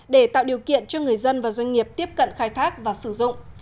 để tạo điều kiện cho người dân và doanh nghiệp tiếp cận khai thác và sử dụng